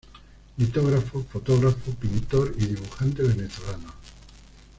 Litógrafo, fotógrafo, pintor y dibujante venezolano.